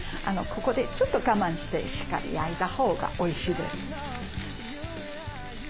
ここでちょっと我慢してしっかり焼いたほうがおいしいです。